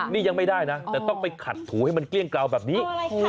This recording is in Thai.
นี่ยังไม่ได้นะแต่ต้องไปขัดถูให้มันเกลี้ยงกล่าวแบบนี้